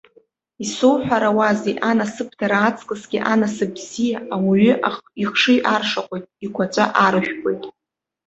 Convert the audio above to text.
Исоуҳәарауазеи, анасыԥдара аҵкысгьы анасыԥ бзиа ауаҩы ихшыҩ аршаҟәоит, игәаҵәа арыжәпоит.